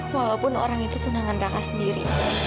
walaupun orang itu tunangan kakak sendiri